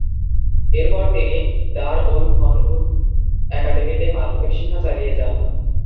এরপর তিনি দার-ওল-ফনউন একাডেমিতে মাধ্যমিক শিক্ষা চালিয়ে যান।